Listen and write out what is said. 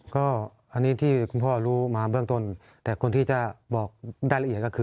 ก็อันนี้ที่คุณพ่อรู้มาเบื้องต้นแต่คนที่จะบอกได้ละเอียดก็คือ